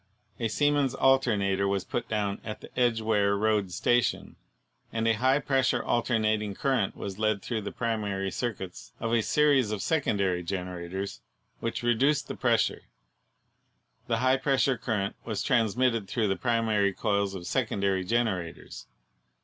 A Siemens alternator was put down at the Edgeware Road Station, and a high pressure alternat ing current was led through the primary circuits of a series of secondary generators which reduced the pres sure. The high pressure current was transmitted through the primary coils of secondary generators.